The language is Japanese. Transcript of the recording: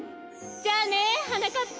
じゃあねはなかっぱ。